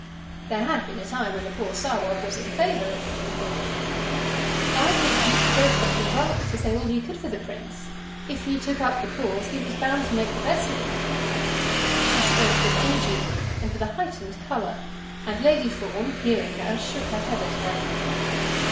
There had been a time when the poor Sawab was in favour at Fawn Court. "I think Mr. Greystock was right to say all he could for the prince. If he took up the cause, he was bound to make the best of it." She spoke with energy and with a heightened colour; and Lady Fawn, hearing her, shook her head at her.